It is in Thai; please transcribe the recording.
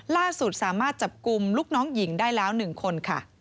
ล่าสุดสามารถจับกลุ่มลูกน้องหญิงได้แล้ว๑คนค่ะ